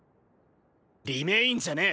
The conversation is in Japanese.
リメインじゃねえ！